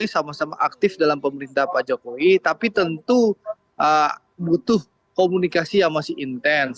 sama sama aktif dalam pemerintah pak jokowi tapi tentu butuh komunikasi yang masih intens